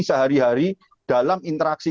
sehari hari dalam interaksi